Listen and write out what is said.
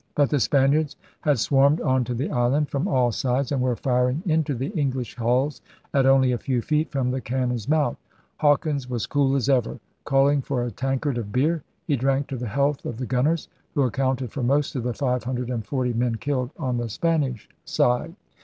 But the Spaniards had swarmed on to the island from all sides and were firing into the English hulls at only a few feet from the cannon's mouth. Haw kins was cool as ever. Calling for a tankard of beer he drank to the health of the gunners, who accounted for most of the five hundred and forty men killed on the Spanish side.